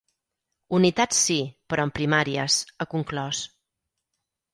Unitat sí, però amb primàries, ha conclòs.